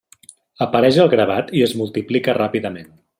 Apareix el gravat i es multiplica ràpidament.